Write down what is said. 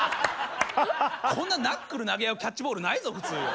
こんなナックル投げ合うキャッチボールないぞ普通。